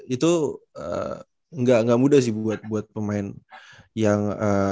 itu nggak mudah sih buat pemain yang